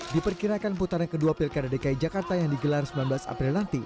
diperkirakan putaran kedua pilkada dki jakarta yang digelar sembilan belas april nanti